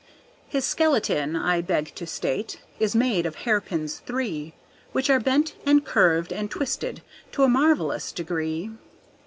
His skeleton, I beg to state, is made of hairpins three, Which are bent and curved and twisted to a marvellous degree.